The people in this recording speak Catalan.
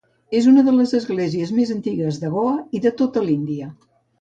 És una de les esglésies més antigues de Goa i de tota l'Índia.